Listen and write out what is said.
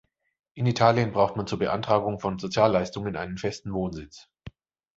In Italien braucht man zur Beantragung von Sozialleistungen einen festen Wohnsitz.